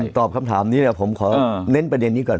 ตอบคำถามนี้ผมขอเน้นประเด็นนี้ก่อน